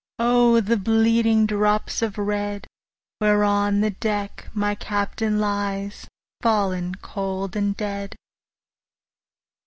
5 O the bleeding drops of red! Where on the deck my Captain lies, Fallen cold and dead.